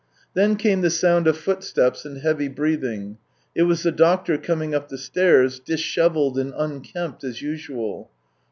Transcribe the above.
Then came the sound of footsteps and heavy breathing; it was the doctor coming up the stairs, dishevelled and unkempt as usual.